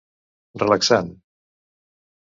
Relaxant: